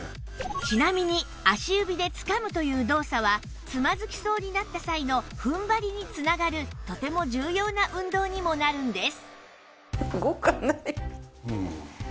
ちなみに足指でつかむという動作はつまずきそうになった際の踏ん張りに繋がるとても重要な運動にもなるんです